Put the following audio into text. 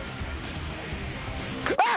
あっ！